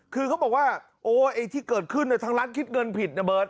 คือเขาบอกว่าโอ้ไอ้ที่เกิดขึ้นทางร้านคิดเงินผิดนะเบิร์ต